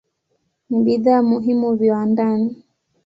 Ni bidhaa muhimu viwandani.